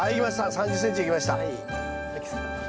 ３０ｃｍいきました。